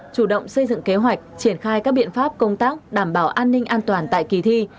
chủ động xây dựng kế hoạch triển khai các biện pháp công tác đảm bảo an ninh an toàn tại kỳ thi